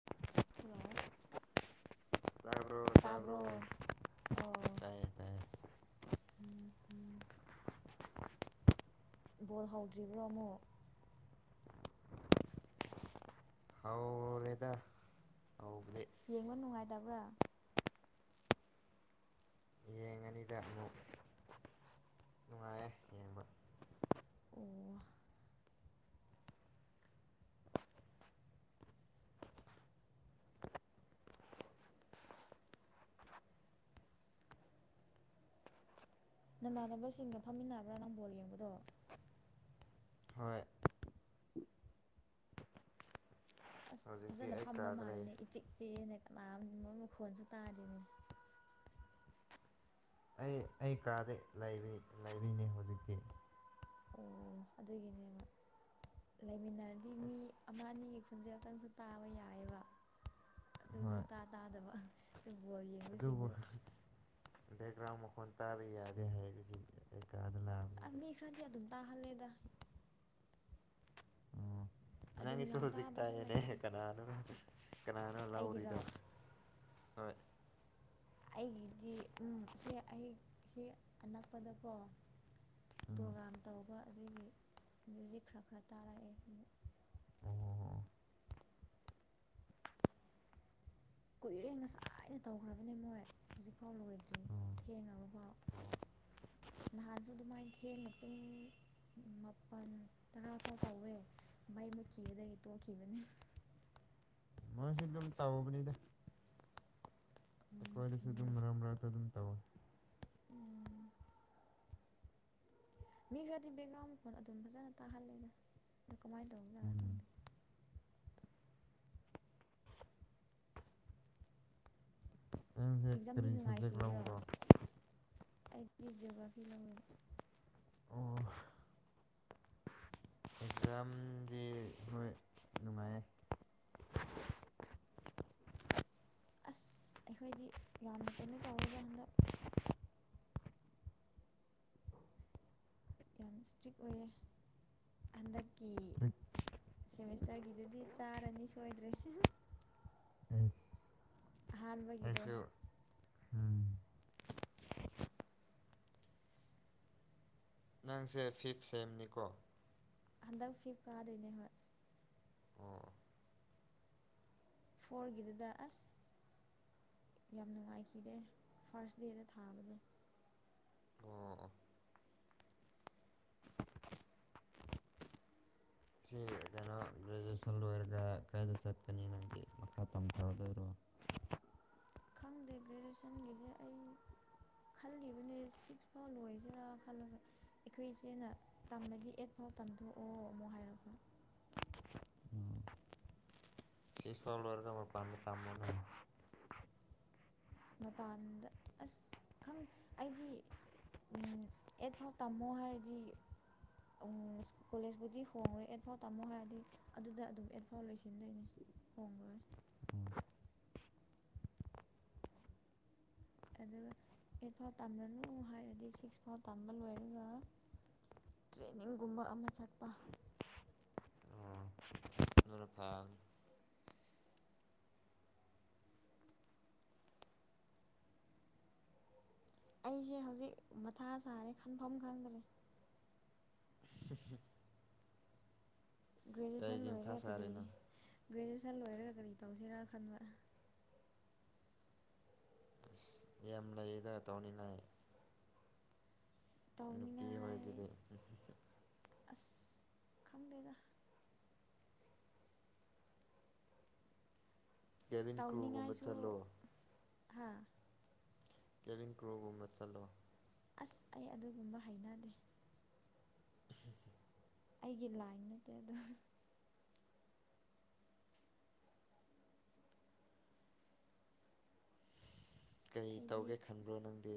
[inaudible] hello ꯇꯥꯕ꯭ꯔꯣ ꯑꯣ ꯇꯥꯏꯌꯦ ꯇꯥꯏꯌꯦ ꯎꯝ ꯎꯝ ꯕꯣꯜ ꯍꯧꯗ꯭ꯔꯤꯕ꯭ꯔꯣ ꯑꯃꯨꯛ ꯍꯧꯔꯦꯗ ꯍꯧꯕꯗꯤ ꯌꯦꯡꯕ ꯅꯨꯡꯉꯥꯏꯇꯕ꯭ꯔꯥ ꯍꯤꯗꯥꯛ ꯂꯣꯛ ꯅꯨꯡꯉꯥꯏꯌꯦ ꯌꯦꯡꯕ ꯑꯣ ꯅꯃꯥꯟꯅꯕꯁꯤꯡꯒ ꯐꯝꯃꯤꯟꯅꯕ꯭ꯔꯥ ꯅꯪ ꯕꯣꯜ ꯌꯦꯡꯕꯗꯣ ꯍꯣꯏ ꯑꯁ ꯍꯧꯖꯤꯛꯇꯤ ꯐꯖꯅ ꯑꯩ ꯐꯝꯕ ꯀꯥꯗ ꯂꯩ ꯃꯥꯜꯂꯤꯅꯦ ꯏꯆꯤꯛ ꯆꯤꯛꯏꯅꯦ ꯀꯅꯥꯒꯨꯝꯕ ꯃꯈꯣꯟꯁꯨ ꯇꯥꯗꯦꯅꯦ ꯑꯩ ꯑꯩ ꯀꯥꯗ ꯂꯩꯔꯤ ꯂꯩꯔꯤꯅꯤ ꯍꯧꯖꯤꯛꯇꯤ ꯑꯣ ꯑꯗꯨꯒꯤꯅꯦꯕ ꯂꯩꯃꯤꯟꯅꯔꯗꯤ ꯃꯤ ꯑꯃ ꯑꯅꯤ ꯈꯣꯟꯖꯦꯜꯇꯪꯁꯨ ꯇꯥꯕ ꯌꯥꯏꯌꯦꯕ ꯑꯗꯨ ꯍꯣꯏ ꯁꯨꯛꯇꯥ ꯇꯥꯗꯕ ꯑꯗꯨ ꯕꯣꯜ ꯌꯦꯡ ꯑꯗꯨꯕꯨ ꯕꯦꯛꯒ꯭ꯔꯥꯎꯟ ꯃꯈꯣꯟ ꯇꯥꯕ ꯌꯥꯗꯦ ꯍꯥꯏꯕꯒꯤ ꯑꯩ ꯀꯥꯗ ꯂꯥꯛ ꯃꯤ ꯈꯔꯗꯤ ꯑꯗꯨꯝ ꯇꯥꯍꯜꯂꯦꯗ ꯑꯣ ꯑꯗꯨꯝ ꯅꯪꯒꯤꯁꯨ ꯌꯥꯝ ꯍꯧꯖꯤꯛ ꯇꯥꯕꯁꯨ ꯇꯥꯏꯌꯦꯅꯦ ꯂꯩꯗ ꯀꯅꯥꯅꯣ ꯀꯅꯥꯅꯣ ꯂꯥꯎꯔꯤꯗꯣ ꯑꯩꯒꯤꯔꯣ ꯍꯣꯏ ꯑꯩꯒꯤꯗꯤ ꯎꯝ ꯁꯤ ꯑꯩ ꯁꯤ ꯑꯅꯛꯄꯥꯗꯀꯣ ꯎꯝ ꯄ꯭ꯔꯣꯒꯥꯝ ꯇꯧꯕ ꯑꯗꯨꯒꯤ ꯃꯌꯨꯖꯤꯛ ꯈꯔ ꯈꯔ ꯇꯥꯔꯛꯑꯦ ꯑꯣ ꯀꯨꯏꯔꯦ ꯉꯁꯥꯏꯅ ꯇꯧꯈ꯭ꯔꯕꯅꯦ ꯃꯣꯏ ꯍꯧꯖꯤꯛꯐꯥꯎ ꯂꯣꯏꯗ꯭ꯔꯤ ꯑꯣ ꯊꯦꯡꯉꯕꯐꯥꯎ ꯑꯣ ꯅꯍꯥꯟꯁꯨ ꯑꯗꯨꯃꯥꯏꯅ ꯊꯦꯡꯅ ꯄꯨꯡ ꯃꯥꯄꯟ ꯇꯔꯥ ꯐꯥꯎ ꯇꯧꯋꯦ ꯃꯩ ꯃꯨꯠꯈꯤꯕꯗꯒꯤ ꯇꯣꯛꯈꯤꯕꯅꯤ [unintelligible] ꯑꯗꯨꯝ ꯇꯧꯕꯅꯤꯗ ꯎꯝ ꯑꯩꯈꯣꯏꯗꯁꯨ ꯑꯗꯨꯝ ꯃꯔꯛ ꯃꯔꯛꯗ ꯑꯗꯨꯝ ꯇꯧꯏ ꯎꯝ [unintelligible] ꯃꯤ ꯈꯔꯗꯤ ꯕꯦꯛꯒ꯭ꯔꯥꯎꯟ ꯃꯈꯣꯟ ꯑꯗꯨꯝ ꯐꯖꯅ ꯇꯥꯍꯜꯂꯦꯗ ꯑꯗꯣ ꯀꯃꯥꯏꯅ ꯇꯧꯕꯖꯥꯠꯅꯣ ꯈꯪꯗꯦ ꯅꯪꯁꯦ ꯑꯦꯛꯖꯥꯝꯗꯤ ꯀꯔꯤ ꯁꯕꯖꯦꯛ ꯅꯨꯡꯉꯥꯏꯈꯤꯕ꯭ꯔꯣ ꯂꯧꯕ꯭ꯔꯣ ꯑꯩꯗꯤ ꯖꯤꯑꯣꯒ꯭ꯔꯥꯐꯤ ꯂꯧꯏ ꯑꯣ ꯑꯦꯛꯖꯥꯝꯒꯤ ꯍꯣꯏ ꯅꯨꯡꯉꯥꯏꯌꯦ ꯑꯁ ꯑꯩꯈꯣꯏꯗꯤ ꯌꯥꯝꯅ ꯀꯩꯅꯣ ꯇꯧꯋꯦꯗ ꯍꯟꯗꯛ ꯌꯥꯝ ꯏꯁꯇ꯭ꯔꯤꯛ ꯑꯣꯏꯑꯦ ꯍꯟꯗꯛꯀꯤ ꯇ꯭ꯔꯤꯛ ꯁꯦꯃꯤꯁꯇ꯭ꯔꯒꯤꯗꯨꯗꯤ ꯆꯥꯔꯅꯤ ꯁꯣꯏꯗ꯭ꯔꯦ ꯑꯦꯁ ꯑꯍꯥꯥꯟꯕꯒꯤꯗꯣ ꯑꯩꯁꯨ ꯎꯝ ꯅꯪꯁꯦ ꯐꯤꯞ ꯁꯦꯝꯅꯤꯀꯣ ꯍꯟꯗꯛ ꯐꯤꯞ ꯀꯥꯗꯣꯏꯅꯦ ꯍꯣꯏ ꯑꯣ ꯐꯣꯔꯒꯤꯗꯨꯗ ꯑꯁ ꯌꯥꯝ ꯅꯨꯡꯉꯥꯏꯈꯤꯗꯦ ꯐꯥꯔꯁ ꯗꯦꯗ ꯊꯥꯕꯗꯣ ꯑꯣ ꯑꯣ ꯁꯤ ꯀꯩꯅꯣ ꯒ꯭ꯔꯦꯖꯨꯑꯦꯁꯟ ꯂꯣꯏꯔꯒ ꯀꯥꯏꯗ ꯆꯠꯀꯅꯤ ꯅꯪꯗꯤ ꯃꯈꯥ ꯇꯝꯊꯥꯗꯣꯏꯔꯣ ꯈꯪꯗꯦ ꯒ꯭ꯔꯦꯖꯨꯑꯦꯁꯟꯒꯤꯗꯤ ꯑꯩ ꯈꯜꯂꯤꯕꯅꯦ ꯁꯤꯛꯁ ꯐꯥꯎ ꯂꯣꯏꯁꯤꯔ ꯈꯜꯂꯒ ꯑꯩꯈꯣꯏ ꯏꯆꯦꯅ ꯇꯝꯃꯗꯤ ꯑꯦꯠꯐꯥꯎ ꯇꯝꯊꯣꯛꯑꯣ ꯑꯃꯨꯛ ꯍꯥꯏꯔꯛꯄ ꯁꯤꯛꯁ ꯐꯥꯎ ꯂꯣꯏꯔꯒ ꯃꯄꯥꯟꯗ ꯇꯝꯃꯣꯅ ꯃꯄꯥꯟꯗ ꯑꯁ ꯈꯪꯗꯦ ꯑꯩꯗꯤ ꯑꯦꯠꯐꯥꯎ ꯇꯥꯝꯃꯣ ꯍꯥꯏꯔꯗꯤ ꯀꯣꯂꯦꯖꯕꯨꯗꯤ ꯍꯣꯡꯑꯣꯏ ꯑꯦꯠꯐꯥꯎ ꯇꯝꯃꯣ ꯍꯥꯏꯔꯗꯤ ꯑꯗꯨꯗ ꯑꯗꯨꯝ ꯑꯦꯠꯐꯥꯎ ꯂꯣꯏꯁꯤꯟꯗꯣꯏꯅꯦ ꯍꯣꯡꯂꯣꯏ ꯑꯗꯨꯒ ꯑꯦꯠ ꯐꯥꯎ ꯇꯝꯂꯅꯨ ꯍꯥꯏꯔꯗꯤ ꯁꯤꯛꯁ ꯐꯥꯎ ꯇꯝꯕ ꯂꯣꯏꯔꯒ ꯇ꯭ꯔꯦꯅꯤꯡꯒꯨꯝꯕ ꯑꯃ ꯆꯠꯄ ꯑꯣ ꯑꯗꯨꯅ ꯐꯕꯅꯤ ꯑꯩꯁꯦ ꯍꯧꯖꯤꯛ ꯃꯊꯥ ꯁꯥꯔꯦ ꯈꯟꯐꯝ ꯈꯪꯗ꯭ꯔꯦ ꯍꯝ ꯍꯨꯝ ꯒ꯭ꯔꯦꯖꯨꯑꯦꯁꯟ ꯀꯩꯒꯤ ꯃꯊꯥ ꯂꯣꯏꯔꯦ ꯀꯔꯤ ꯁꯥꯔꯤꯅꯣ ꯒ꯭ꯔꯦꯖꯨꯑꯦꯁꯟ ꯂꯣꯏꯔꯒ ꯀꯔꯤ ꯇꯧꯁꯤꯔꯥ ꯈꯟꯕ ꯑꯁ ꯌꯥꯝ ꯂꯩ ꯗ ꯇꯧꯅꯤꯡꯉꯥꯢ ꯅꯨꯄꯤ ꯇꯧꯅꯤꯡꯉꯥꯏ ꯑꯃꯒꯤꯗꯨꯗꯤ ꯑꯁ ꯈꯪꯗꯦꯗ ꯀꯦꯕꯤꯟ ꯀ꯭ꯔꯨꯒꯨꯝꯕ ꯇꯧꯅꯤꯡꯉꯥꯏꯁꯨ ꯆꯠꯂꯣ ꯍꯥ ꯀꯦꯚꯤꯟ ꯀ꯭ꯔꯤꯎꯒꯨꯝꯕ ꯆꯠꯂꯣ ꯑꯁ ꯑꯩ ꯑꯗꯨꯒꯨꯝꯕ ꯍꯩꯅꯗꯦ [inaudible] ꯑꯩꯒꯤ ꯂꯥꯏꯟ ꯅꯠꯇꯦ ꯑꯗꯨ ꯀꯔꯤ ꯑꯩꯗꯤ ꯇꯧꯒꯦ ꯈꯟꯕ꯭ꯔꯣ ꯅꯪꯗꯤ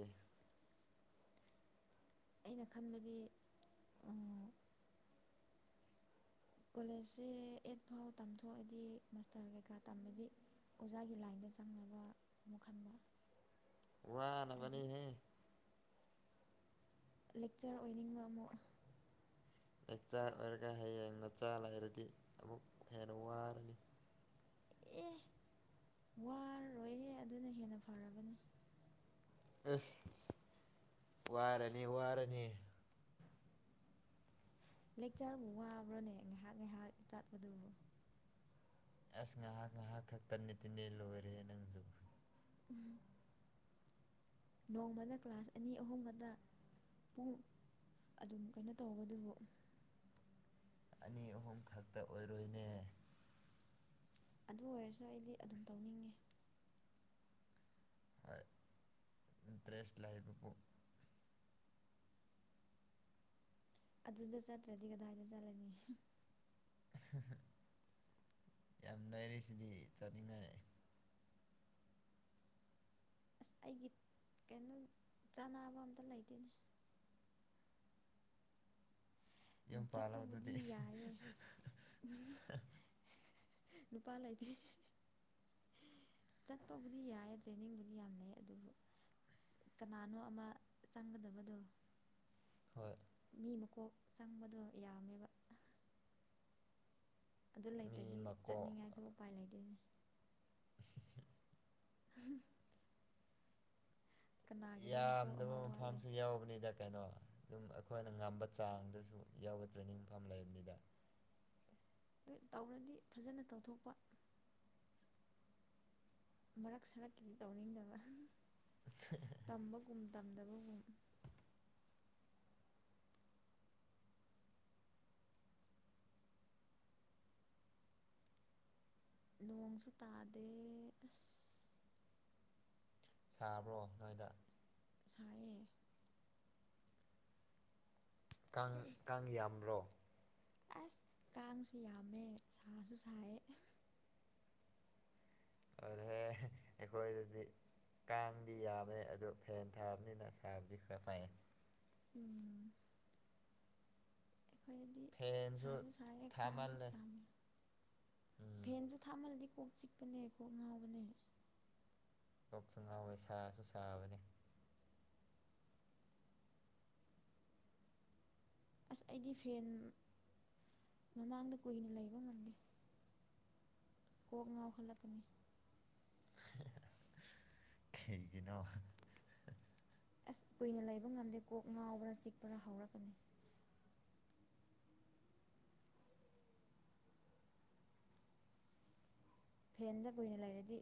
ꯑꯩꯅ ꯈꯟꯕꯗꯤ ꯑꯝ ꯀꯣꯂꯦꯖꯁꯦ ꯑꯩꯠ ꯐꯥꯎ ꯇꯝꯊꯣꯛꯑꯗꯤ ꯃꯥꯁꯇꯥꯔ ꯀꯩꯀꯥ ꯇꯝꯃꯗꯤ ꯑꯣꯖꯥꯒꯤ ꯂꯥꯏꯟꯗ ꯆꯪꯅꯕ ꯑꯃꯨꯛ ꯈꯟꯕ ꯑꯩꯗꯤ ꯋꯥꯅꯕꯅꯤꯍꯦ ꯂꯦꯛꯆꯥꯔ ꯑꯣꯏꯅꯤꯡꯕ ꯑꯃꯨꯛ ꯑꯣꯖꯥ ꯑꯣꯏꯔꯒ ꯍꯌꯦꯡ ꯅꯆꯥ ꯂꯩꯔꯗꯤ ꯑꯃꯨꯛ ꯍꯦꯟꯅ ꯋꯥꯔꯅꯤ ꯑꯦ ꯋꯥꯔꯣꯏꯍꯦ ꯑꯗꯨꯅ ꯍꯦꯟꯅ ꯐꯔꯕꯅꯤ ꯑꯁ ꯋꯥꯔꯅꯤ ꯋꯥꯔꯅꯤ ꯂꯦꯛꯆꯔꯕꯨ ꯋꯥꯕ꯭ꯔꯅꯦ ꯉꯥꯏꯍꯥꯛ ꯉꯥꯏꯍꯥꯛ ꯇꯠꯄꯗꯨꯕꯨ ꯑꯁ ꯉꯥꯏꯍꯥꯛ ꯉꯥꯏꯍꯥꯛ ꯈꯛꯇꯅꯦ ꯇꯤꯟꯅꯦ ꯂꯣꯏꯔꯦꯍꯦ ꯅꯪꯁꯨ ꯎꯝ ꯅꯣꯡꯃꯗ ꯀ꯭ꯂꯥꯁ ꯑꯅꯤ ꯑꯍꯨꯝꯒꯗ ꯄꯨꯡ ꯑꯗꯨꯝ ꯀꯩꯅꯣ ꯇꯧꯕꯗꯨꯕꯨ ꯑꯅꯤ ꯑꯍꯨꯝ ꯈꯛꯇ ꯑꯣꯏꯔꯣꯏꯅꯦ ꯑꯗꯨ ꯑꯣꯏꯔꯁꯨ ꯑꯩꯗꯤ ꯑꯗꯨꯝ ꯇꯧꯅꯤꯡꯉꯦ ꯍꯣꯏ ꯏꯟꯇꯥꯔꯦꯁ ꯂꯩꯕꯕꯨ ꯑꯗꯨꯗ ꯆꯠꯇ꯭ꯔꯗꯤ ꯀꯗꯥꯏꯗ ꯆꯠꯂꯅꯤ ꯌꯥꯝ ꯂꯩꯔꯤꯁꯤꯗꯤ ꯆꯠꯅꯤꯡꯉꯥꯏ ꯑꯁ ꯑꯩꯒꯤ ꯀꯩꯅꯣ ꯆꯥꯅꯕ ꯑꯝꯇ ꯂꯩꯇꯦꯅꯦ ꯎꯝ ꯌꯨꯝ ꯄꯥꯜꯂꯣ ꯆꯠꯄꯕꯨꯗꯤ ꯑꯗꯨꯗꯤ ꯌꯥꯏꯌꯦ ꯎꯝ ꯅꯨꯄꯥ ꯂꯩꯇꯦ ꯆꯠꯄꯕꯨꯗꯤ ꯌꯥꯏ ꯇ꯭ꯔꯦꯅꯤꯡꯕꯨꯗꯤ ꯌꯥꯝ ꯂꯩ ꯑꯗꯨꯕꯨ ꯀꯅꯥꯅꯣ ꯑꯃ ꯆꯪꯒꯗꯕꯗꯣ ꯍꯣꯏ ꯃꯤ ꯃꯀꯣꯛ ꯆꯪꯕꯗꯣ ꯌꯥꯝꯃꯦꯕ ꯑꯗꯨ ꯃꯤ ꯂꯩꯇ꯭ꯔꯗꯤ ꯃꯀꯣꯛ ꯆꯠꯅꯤꯡꯉꯥꯁꯨ ꯎꯄꯥꯏ ꯂꯩꯇꯦꯅꯦ ꯀꯅꯥꯒꯤꯅꯣ ꯃꯀꯣꯛ ꯌꯥꯝꯗꯕ ꯑꯃ ꯋꯥꯠꯂꯦ ꯃꯐꯝꯁꯨ ꯌꯥꯎꯕꯅꯤꯗ ꯀꯩꯅꯣ ꯑꯗꯨꯝ ꯑꯩꯈꯣꯏꯅ ꯉꯝꯕ ꯆꯥꯡꯗꯁꯨ ꯌꯥꯎꯕ ꯇ꯭ꯔꯦꯅꯤꯡ ꯃꯐꯝ ꯂꯩꯕꯅꯤꯗ [unintelligible] ꯇꯧꯔꯗꯤ ꯐꯖꯅ ꯇꯧꯊꯣꯛꯄ ꯃꯔꯛ ꯁꯔꯛꯀꯤꯗꯤ ꯇꯧꯅꯤꯡꯗꯕ ꯇꯝꯕꯒꯨꯝ ꯇꯝꯗꯕꯒꯨꯝ ꯅꯣꯡꯁꯨ ꯇꯥꯗꯦ ꯑꯁ ꯁꯥꯕ꯭ꯔꯣ ꯅꯣꯏꯗ ꯁꯥꯏꯌꯦ ꯀꯥꯡ ꯀꯥꯡ ꯌꯥꯝꯕ꯭ꯔꯣ ꯑꯁ ꯀꯥꯡꯁꯨ ꯌꯥꯝꯃꯦ ꯁꯥꯁꯨ ꯁꯥꯏꯌꯦ ꯑꯗꯨꯍꯦ [inaudible] ꯑꯩꯈꯣꯏꯗꯗꯤ ꯀꯥꯡꯗꯤ ꯌꯥꯝꯃꯦ ꯑꯗꯣ ꯐꯦꯟ ꯊꯥꯕꯅꯤꯅ ꯀꯥꯡꯗꯤ ꯈꯔ ꯐꯩ ꯎꯝ ꯑꯩꯗꯤ ꯐꯦꯟꯁꯨ ꯁꯥꯁꯨ ꯁꯥꯏꯌꯦ ꯀꯥꯡꯁꯨ ꯊꯥꯃꯜꯂꯦ ꯆꯥꯡꯉꯤ ꯎꯝ ꯐꯦꯟꯖꯨ ꯊꯥꯃꯜꯂꯗꯤ ꯀꯣꯛ ꯆꯤꯛꯄꯅꯦ ꯀꯣꯛ ꯉꯥꯎꯕꯅꯦ ꯀꯣꯛꯁꯨ ꯉꯥꯎꯋꯦ ꯁꯥꯁꯨ ꯁꯥꯕꯅꯤ ꯑꯁ ꯑꯩꯗꯤ ꯐꯦꯟ ꯃꯃꯥꯡꯗ ꯀꯨꯏꯅ ꯂꯩꯕ ꯉꯝꯗꯦ ꯀꯣꯛ ꯉꯥꯎꯈꯠꯂꯛꯀꯅꯤ ꯀꯩꯒꯤꯅꯣ ꯑꯁ ꯀꯨꯏꯅ ꯂꯩꯕ ꯉꯝꯗꯦ ꯀꯣꯛ ꯉꯥꯎꯕ꯭ꯔꯥ ꯆꯤꯛꯄ꯭ꯔꯥ ꯍꯧꯔꯛꯀꯅꯤ ꯐꯦꯟꯗ ꯀꯨꯏꯅ ꯂꯩꯔꯗꯤ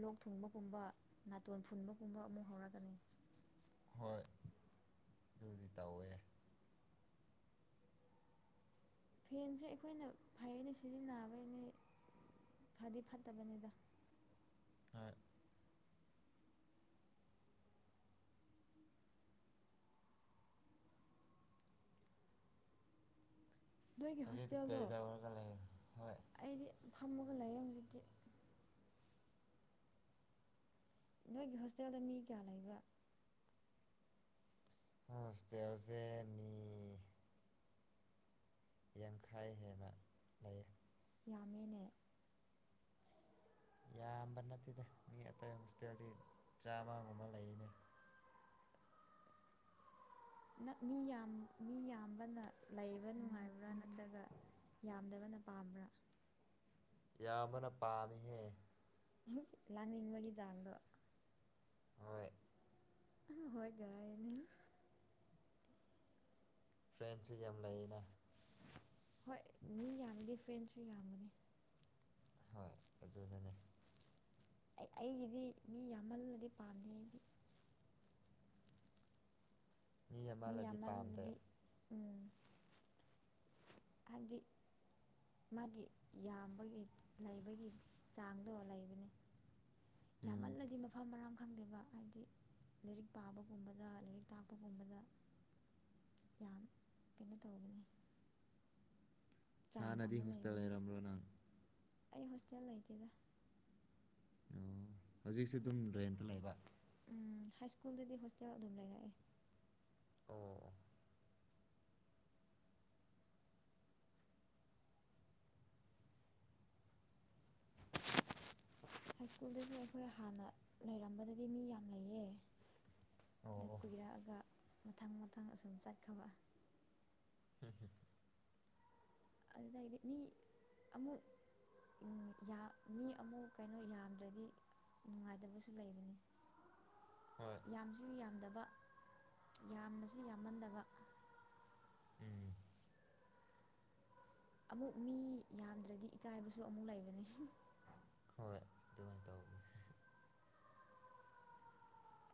ꯂꯣꯛ ꯊꯨꯡꯕꯒꯨꯝꯕ ꯅꯥꯇꯣꯟ ꯐꯨꯟꯕꯒꯨꯝꯕ ꯑꯃꯨꯛ ꯍꯧꯔꯛꯒꯅꯤ ꯍꯣꯏ ꯑꯗꯨꯗꯤ ꯇꯧꯋꯦ ꯐꯦꯟꯁꯦ ꯑꯩꯈꯣꯏꯅ ꯐꯩꯅ ꯁꯤꯖꯤꯟꯅꯕꯩꯅꯤ ꯐꯗꯤ ꯐꯠꯇꯕꯅꯤꯗ ꯑ ꯅꯣꯏꯒꯤ ꯍꯨꯖꯤꯛꯇꯤ ꯍꯣꯁꯇꯦꯜꯗꯣ ꯀꯩ ꯇꯧꯔꯒ ꯂꯩ ꯍꯣꯏ ꯑꯩꯗꯤ ꯐꯝꯃꯒ ꯂꯩꯌꯦ ꯍꯧꯖꯤꯛꯇꯤ ꯅꯣꯏꯒꯤ ꯍꯣꯁꯇꯦꯜꯗ ꯃꯤ ꯀꯌꯥ ꯂꯩꯕ꯭ꯔꯥ ꯈꯣꯏ ꯍꯣꯁꯇꯦꯜꯁꯦ ꯃꯤ ꯌꯥꯡꯈꯩ ꯍꯦꯟꯅ ꯂꯩ ꯌꯥꯝꯃꯦꯅꯦ ꯌꯥꯝꯕ ꯅꯠꯇꯦꯗ ꯃꯤ ꯑꯇꯩ ꯍꯣꯁꯇꯦꯜꯗꯤ ꯆꯥꯝꯃꯒꯨꯝꯕ ꯂꯩꯌꯦꯅꯦ ꯅ ꯃꯤ ꯌꯥꯝ ꯃꯤ ꯌꯥꯝꯕꯅ ꯂꯩꯕ ꯅꯨꯡꯉꯥꯏꯕ꯭ꯔꯥ ꯅꯠꯇ꯭ꯔꯒ ꯌꯥꯝꯗꯕꯅ ꯄꯥꯝꯕ꯭ꯔꯥ ꯌꯥꯝꯕꯅ ꯄꯥꯝꯃꯤꯍꯦ ꯂꯥꯡꯅꯤꯡꯕꯒꯤ ꯆꯥꯡꯗꯣ ꯍꯣꯏ ꯑꯍ ꯍꯣꯏꯒ ꯍꯥꯏꯅꯤ ꯐ꯭ꯔꯦꯟꯁꯨ ꯌꯥꯝ ꯂꯩꯌꯦꯅ ꯍꯣꯏ ꯃꯤ ꯌꯥꯝꯃꯗꯤ ꯐ꯭ꯔꯦꯟꯁꯨ ꯌꯥꯝꯕꯅꯤ ꯍꯣꯏ ꯑꯗꯨꯅꯅꯦ ꯑꯩ ꯑꯩꯒꯤꯗꯤ ꯃꯤ ꯌꯥꯝꯃꯜꯂꯗꯤ ꯄꯥꯝꯗꯦ ꯑꯩꯗꯤ ꯃꯤ ꯑꯃꯅꯗꯤ ꯄꯥꯝꯗꯦ ꯌꯥꯝꯃꯜꯂꯗꯤ ꯎꯝ ꯍꯥꯏꯕꯗꯤ ꯃꯥꯒꯤ ꯌꯥꯝꯕꯒꯤ ꯂꯩꯕꯒꯤ ꯆꯥꯡꯗꯣ ꯂꯩꯕꯅꯤ ꯎꯝ ꯌꯥꯝꯃꯜꯂꯗꯤ ꯃꯐꯝ ꯃꯔꯥꯡ ꯈꯪꯗꯦꯕ ꯍꯥꯏꯕꯗꯤ ꯂꯥꯏꯔꯤꯛ ꯄꯥꯕꯒꯨꯝꯕꯗ ꯂꯥꯏꯔꯤꯛ ꯇꯥꯛꯄꯒꯨꯝꯕꯗ ꯌꯥꯝ ꯀꯩꯅꯣ ꯇꯧꯕꯅꯦ ꯍꯥꯥꯟꯅꯗꯤ ꯑꯃ ꯍꯣꯁꯇꯦꯜ ꯂꯩꯕꯅꯤ ꯂꯩꯔꯝꯕ꯭ꯔꯣ ꯅꯪ ꯑꯩ ꯍꯣꯁꯇꯦꯜ ꯂꯩꯇꯦꯗ ꯎꯝ ꯍꯧꯖꯤꯛꯁꯨ ꯗꯨꯝ ꯔꯦꯟꯇ ꯂꯩꯕ ꯎꯝ ꯍꯥꯏ ꯁ꯭ꯀꯨꯜꯗꯗꯤ ꯍꯣꯁꯇꯦꯜ ꯑꯗꯨꯝ ꯂꯩꯔꯛꯑꯦ ꯑꯣ ꯍꯥꯏ ꯁ꯭ꯀꯨꯜꯗꯁꯨ ꯑꯩꯈꯣꯏ ꯍꯥꯟꯅ ꯂꯩꯔꯝꯕꯗꯗꯤ ꯃꯤ ꯌꯥꯝ ꯂꯩꯌꯦ ꯑꯣ ꯑꯗꯨ ꯑꯣ ꯀꯨꯏꯔꯛꯑꯒ ꯃꯊꯪ ꯃꯊꯪ ꯑꯁꯨꯝ ꯆꯠꯈ꯭ꯔꯕ [unintelligible] ꯑꯗꯨꯗꯒꯤꯗꯤ ꯃꯤ ꯑꯃꯨꯛ ꯃꯤ ꯑꯃꯨꯛ ꯀꯩꯅꯣ ꯌꯥꯝꯗ꯭ꯔꯗꯤ ꯅꯨꯡꯉꯥꯏꯇꯕꯁꯨ ꯂꯩꯕꯅꯤ ꯍꯣꯏ ꯌꯥꯝꯁꯨ ꯌꯥꯝꯗꯕ ꯌꯥꯝꯅꯁꯨ ꯌꯥꯝꯃꯟꯗꯕ ꯎꯝ ꯑꯃꯨꯛ ꯃꯤ ꯌꯥꯝꯗ꯭ꯔꯗꯤ ꯏꯀꯥꯏꯕꯁꯨ ꯑꯃꯨꯛ ꯂꯩꯕꯅꯤ ꯍꯣꯏ ꯑꯗꯨꯃꯥꯏꯅ ꯇꯧꯕꯅꯤ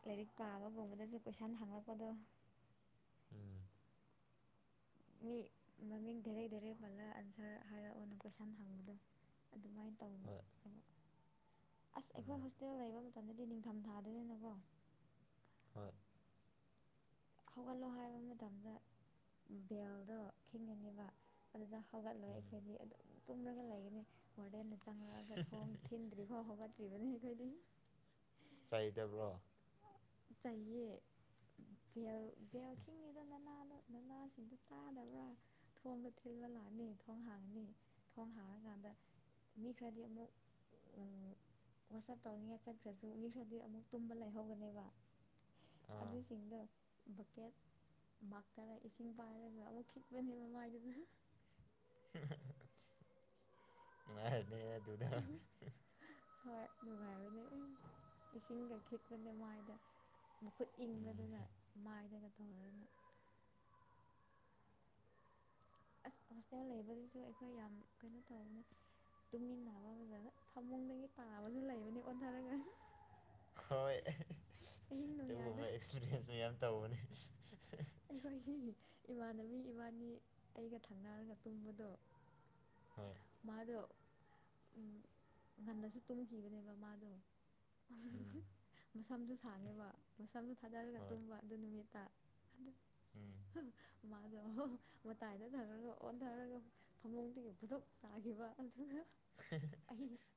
ꯂꯥꯏꯔꯤꯛ ꯄꯥꯕꯒꯨꯝꯕꯗꯁꯨ ꯀꯣꯏꯁꯟ ꯍꯪꯂꯛꯄꯗꯣ ꯎꯝ ꯃꯤ ꯃꯃꯤꯡ ꯗꯥꯏꯔꯦꯛ ꯗꯥꯏꯔꯦꯛ ꯄꯜꯂꯒ ꯑꯟꯁꯔ ꯍꯥꯏꯔꯛꯑꯣꯅ ꯀꯣꯏꯁꯟ ꯍꯪꯕꯗꯣ ꯑꯗꯨꯃꯥꯏꯅ ꯇꯧꯋꯦꯕ ꯍꯣꯏ ꯑꯁ ꯎꯝ ꯑꯩꯈꯣꯏ ꯍꯣꯁꯇꯦꯜ ꯂꯩꯕ ꯃꯇꯝꯗꯗꯤ ꯅꯤꯡꯊꯝ ꯊꯥꯗꯗꯅꯀꯣ ꯍꯣꯏ ꯍꯧꯒꯠꯂꯣ ꯍꯥꯏꯕ ꯃꯇꯝꯗ ꯕꯦꯜꯗꯣ ꯈꯤꯉꯅꯤꯕ ꯑꯗꯨꯗ ꯍꯧꯒꯠꯂꯣꯏ ꯎꯝ ꯑꯩꯈꯣꯏꯗꯤ ꯑꯗꯨꯝ ꯇꯨꯝꯔꯒ ꯂꯩꯒꯅꯤ ꯋꯥꯔꯗꯦꯟꯅ ꯆꯪꯂꯉꯛꯑ ꯒ ꯊꯣꯡ ꯊꯤꯟꯗ꯭ꯔꯤꯈꯐꯥꯎ ꯍꯧꯒꯠꯇ꯭ꯔꯤꯕꯅꯦ ꯑꯩꯈꯣꯏꯗꯤ ꯆꯩꯗꯕ꯭ꯔꯣ ꯆꯩꯌꯦ ꯕꯦꯜ ꯕꯦꯜꯈꯤꯡꯉꯤꯗꯣ ꯅꯅꯥꯗꯣ ꯅꯅꯥꯁꯤꯡꯗꯣ ꯇꯥꯗꯕ꯭ꯔꯥ ꯊꯣꯡꯗ ꯊꯤꯜꯕ ꯂꯥꯛꯑꯅꯤ ꯊꯣꯡ ꯍꯥꯡꯉꯅꯤ ꯊꯣꯡ ꯍꯥꯡꯉꯀꯥꯟꯗ ꯃꯤ ꯈꯔꯗꯤ ꯑꯃꯨꯛ ꯋꯥꯆꯞ ꯇꯧꯅꯤꯡꯉꯦ ꯆꯠꯈ꯭ꯔꯁꯨ ꯃꯤ ꯈꯔꯥꯗꯤ ꯑꯃꯨꯛ ꯇꯨꯝꯕ ꯂꯩꯍꯧꯒꯅꯦꯕ ꯑꯥ ꯑꯗꯨꯁꯤꯡꯗꯣ ꯕꯀꯦꯠ ꯃꯛ ꯇꯧꯔꯥ ꯏꯁꯤꯡ ꯄꯥꯏꯔꯒ ꯑꯃꯨꯛ ꯈꯤꯛꯄꯅꯦ ꯃꯃꯥꯏꯗꯨꯗ ꯅꯨꯪꯉꯥꯏꯔꯤꯅꯦ ꯑꯗꯨꯗꯤ ꯍꯣꯏ ꯅꯨꯡꯉꯥꯏꯕꯅꯦ ꯑꯦ ꯏꯁꯤꯡ ꯒ ꯈꯤꯛꯄꯅꯦ ꯃꯥꯏꯗ ꯃꯈꯨꯠ ꯎꯝ ꯏꯪꯕꯗꯨꯅ ꯃꯥꯏꯗꯒ ꯇꯧꯔꯅ ꯑꯁ ꯍꯣꯁꯇꯦꯜ ꯂꯩꯕꯗꯨꯁꯨ ꯑꯩꯈꯣꯏ ꯌꯥꯝ ꯀꯩꯅꯣ ꯇꯧꯕꯅꯤ ꯇꯨꯃꯤꯟꯅꯕ ꯗ ꯐꯃꯨꯡꯗꯒꯤ ꯇꯥꯕꯁꯨ ꯂꯩꯕꯅꯤ ꯑꯣꯊꯔꯒ ꯍꯣꯏ ꯑꯗꯨꯒꯨꯝꯕ ꯑꯦꯛꯁꯄꯤꯔꯤꯌꯦꯟꯁ ꯃꯌꯥꯝ ꯇꯧꯕꯅꯦ ꯑꯩꯈꯣꯏꯒꯤ ꯏꯃꯥꯟꯅꯕꯤ ꯏꯕꯥꯅꯤ ꯑꯩꯒ ꯊꯪꯅꯔꯒ ꯇꯨꯝꯕꯗꯣ ꯍꯣꯏ ꯃꯥꯗꯣ ꯉꯟꯅꯁꯨ ꯇꯨꯝꯈꯤꯕꯅꯦꯕ ꯃꯥꯗꯣ ꯎꯝ ꯃꯁꯝꯁꯨ ꯁꯥꯡꯉꯦꯕ ꯃꯁꯝꯁꯨ ꯊꯥꯗꯔꯒ ꯍꯣꯏ ꯇꯨꯝꯕ ꯑꯗꯨ ꯅꯨꯃꯤꯠꯇ [unintelligible] ꯎꯝ ꯃꯥꯗꯣ ꯃꯇꯥꯏꯗ ꯊꯪꯔꯒ ꯑꯣꯟꯊꯔꯒ ꯐꯃꯨꯡꯗꯒꯤ ꯕꯨꯗꯨꯞ ꯇꯥꯒꯤꯕꯥ ꯑꯗꯨꯒꯥ [unintelligible] [unintelligible]